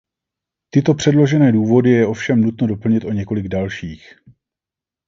Tyto předložené důvody je ovšem nutno doplnit o několik dalších.